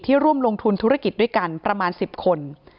ร่วมลงทุนธุรกิจด้วยกันประมาณ๑๐คน